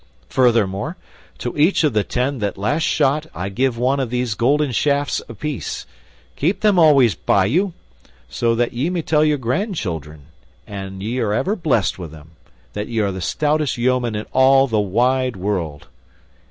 Furthermore, to each of the ten that last shot I give one of these golden shafts apiece. Keep them always by you, so that ye may tell your grandchildren, an ye are ever blessed with them, that ye are the very stoutest yeomen in all the wide world."